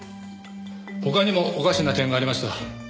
他にもおかしな点がありました。